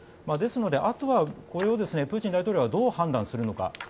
ですのであとはこれをプーチン大統領はどう判断するのか。